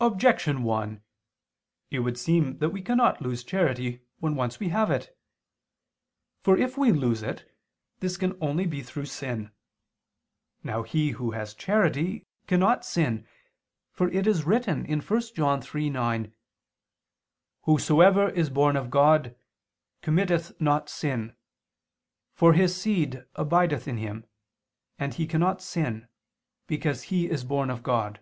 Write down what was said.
Objection 1: It would seem that we cannot lose charity when once we have it. For if we lose it, this can only be through sin. Now he who has charity cannot sin, for it is written (1 John 3:9): "Whosoever is born of God, committeth not sin; for His seed abideth in him, and he cannot sin, because he is born of God."